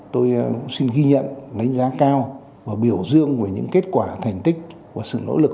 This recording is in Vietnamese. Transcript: tôi xin ghi nhận đánh giá cao và biểu dương về những kết quả thành tích và sự nỗ lực